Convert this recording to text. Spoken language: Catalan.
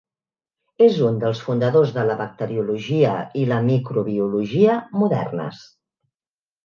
És un dels fundadors de la bacteriologia i la microbiologia modernes.